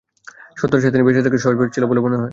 সত্যটা সাথে নিয়ে বেঁচে থাকাটাকে সহজ ছিল বলে মনে হয়?